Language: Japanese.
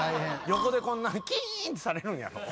横でキーンってされるんやろ？